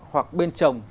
hoặc bên chồng